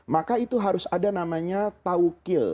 maka itu harus ada namanya taukil